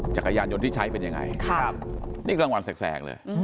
จักรยานยนต์ที่ใช้เป็นยังไงนี่กลางวันแสกเลย